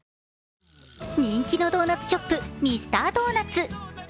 人気のドーナツショップミスタードーナツ。